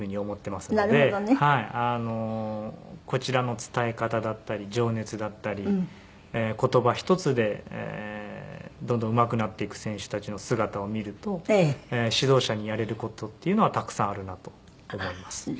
こちらの伝え方だったり情熱だったり言葉一つでどんどんうまくなっていく選手たちの姿を見ると指導者にやれる事っていうのはたくさんあるなと思います。